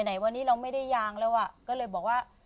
ไหนวันนี้เราไม่ได้ยางแล้วอ่ะก็เลยบอกว่า